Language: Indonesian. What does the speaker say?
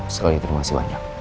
sekali terima kasih banyak